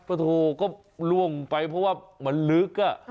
โอ้โหก็ล่วงไปเพราะว่ามันลึกอะ